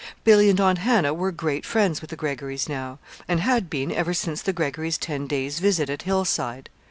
Billy and Aunt Hannah were great friends with the Greggorys now, and had been ever since the Greggorys' ten days' visit at Hillside.